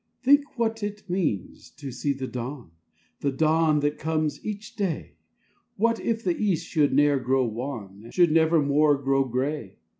Think what it means to see the dawn! The dawn, that comes each day! What if the East should ne'er grow wan, Should nevermore grow gray!